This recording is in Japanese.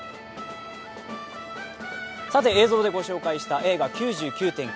映像でご紹介した映画「９９．９」。